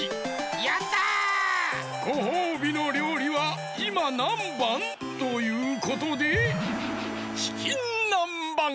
やった！ごほうびのりょうりはいまなんばん？ということでチキンなんばん！